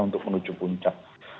untuk menuju puncak